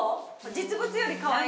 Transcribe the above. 実物よりかわいい？